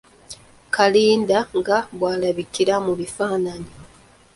Kalinda nga bw’alabikira mu bifananyi.